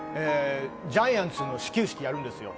ジャイアンツの始球式やるんですよ。